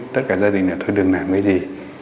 tất cả gia đình là thôi đừng làm cái gì